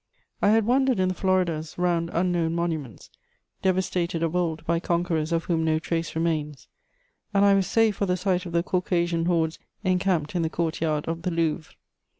I had wandered in the Floridas round unknown monuments, devastated of old by conquerors of whom no trace remains, and I was saved for the sight of the Caucasian hordes encamped in the court yard of the Louvre.